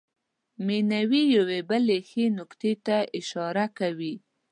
مینوي یوې بلې ښې نکتې ته اشاره کوي.